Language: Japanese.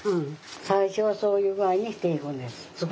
最初はそういう具合にしていくんです。